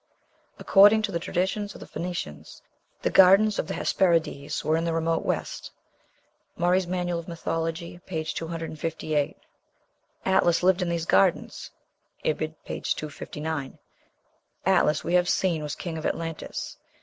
"According to the traditions of the Phoenicians, the Gardens of the Hesperides were in the remote west." (Murray's "Mannal of Mythology," p. 258.) Atlas lived in these gardens. (Ibid., p. 259.) Atlas, we have seen, was king of Atlantis.